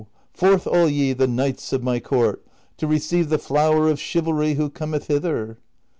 Forth all ye, the knights of my court, to receive the flower of chivalry who cometh hither!